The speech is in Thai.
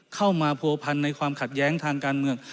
เข้ามาผัวพันในความขัดแย้งทางการเมือง